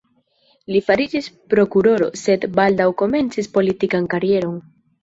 Li fariĝis prokuroro, sed baldaŭ komencis politikan karieron.